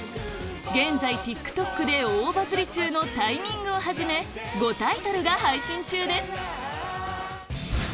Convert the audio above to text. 現在ＴｉｋＴｏｋで大バズり中の『Ｔｉｍｉｎｇ』をはじめ５タイトルが配信中です